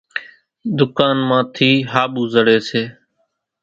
ۮُڪانَ مان ٿِي ۿاٻُو سڙيَ سي۔